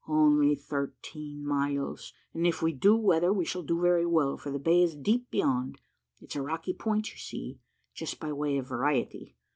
"Only thirteen miles; and if we do weather, we shall do very well, for the bay is deep beyond. It's a rocky point, you see, just by way of variety.